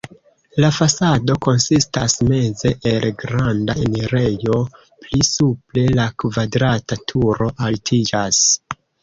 La fasado konsistas meze el granda enirejo, pli supre la kvadrata turo altiĝas.